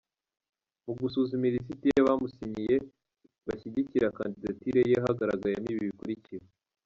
Mu gusuzuma ilisiti y’abamusinyiye bashyigikira Kandidatire ye hagaragayemo ibi bikurikira: